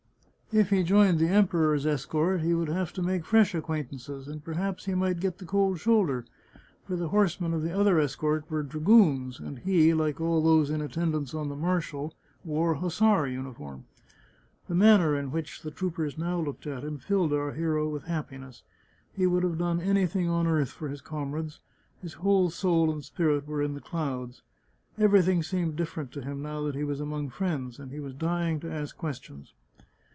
If he joined the Emperor's escort he would have to make fresh acquaint ances, and perhaps he might get the cold shoulder, for the horsemen of the other escort were dragoons, and he, 48 The Chartreuse of Parma like all those in attendance on the marshal, wore hussar uniform. The manner in which the troopers now looked at him filled our hero with happiness. He would have done anything on earth for his comrades; his whole soul and spirit were in the clouds. Everything seemed different to him now that he was among friends, and he was dying to ask questions.